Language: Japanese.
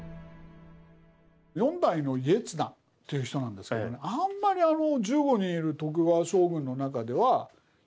４代の家綱という人なんですけどねあんまり１５人いる徳川将軍の中では有名ではない。